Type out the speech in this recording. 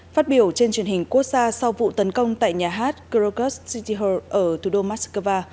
phát biểu trên truyền hình quốc gia sau vụ tấn công tại nhà hát krokus city hall ở thủ đô moscow